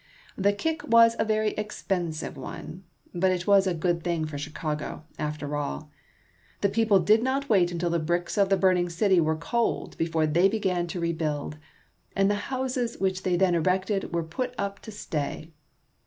The kick was a very expensive one, but it was a good thing for Chicago, after all. The people did not wait until the bricks of the burning city were cold before they began to rebuild, and the houses which they then erected were put up to stay.